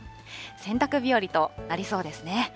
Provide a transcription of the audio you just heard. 洗濯日和となりそうですね。